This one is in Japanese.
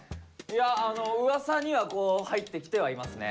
いやうわさには入ってきてはいますね。